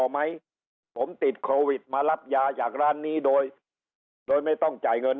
ไหมผมติดโควิดมารับยาจากร้านนี้โดยโดยไม่ต้องจ่ายเงิน